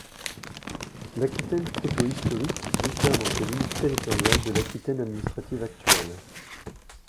L'Aquitaine protohistorique diffère dans ses limites territoriales de l'Aquitaine administrative actuelle.